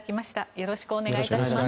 よろしくお願いします。